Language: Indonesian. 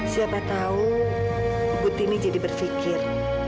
siapa tahu ibu tini jadi berpikir